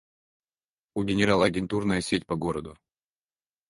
У генерала агентурная сеть по городу.